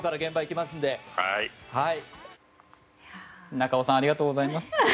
中尾さんありがとうございます。